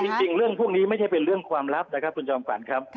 จริงเรื่องพวกนี้ไม่ใช่เป็นเรื่องความลับนะครับคุณจอมฝันครับ